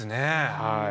はい。